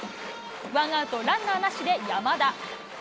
ワンアウトランナーなしで山田。